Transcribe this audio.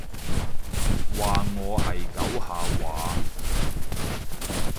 話我係狗吓話？